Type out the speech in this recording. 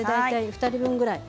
２人分ぐらいです。